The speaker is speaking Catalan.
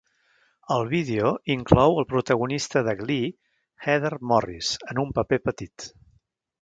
El vídeo inclou el protagonista de "Glee", Heather Morris, en un paper petit.